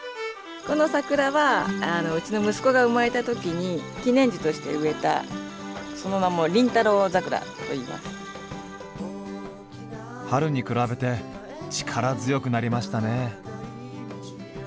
この桜はうちの息子が生まれたときに記念樹として植えたその名も春に比べて力強くなりましたね。